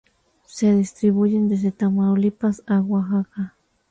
Se distribuyen desde Tamaulipas a Oaxaca.